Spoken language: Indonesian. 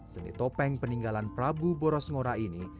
seni topeng peninggalan prabu borosmora ini